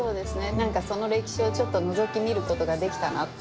何かその歴史をちょっとのぞき見ることができたなって。